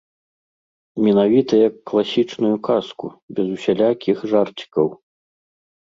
Менавіта як класічную казку, без усялякіх жарцікаў.